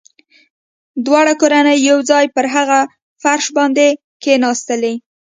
دواړه کورنۍ يو ځای پر هغه فرش باندې کښېناستلې.